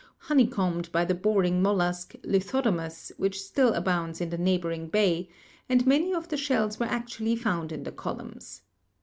honeycombed by the boring mollusk, 'Lithodomus,' which still abounds in the neighboring bay, and many of the shells were actually found in the columns.